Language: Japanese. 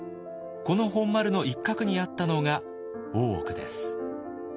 この本丸の一角にあったのが大奥です。